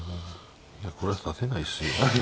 いやこれは指せないっすよ。